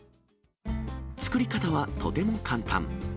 作り方はとても簡単。